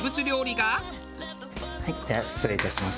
では失礼いたします。